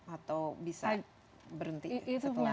atau bisa berhenti setelah waktu tertentu